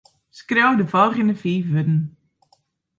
Skriuw de folgjende fiif wurden.